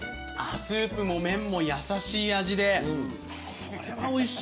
スープも麺も優しい味でこれはおいしい。